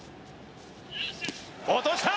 落とした！